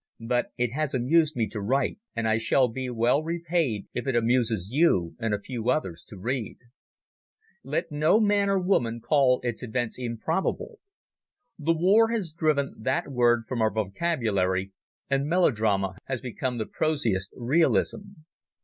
But it has amused me to write, and I shall be well repaid if it amuses you—and a few others—to read. Let no man or woman call its events improbable. The war has driven that word from our vocabulary, and melodrama has become the prosiest realism.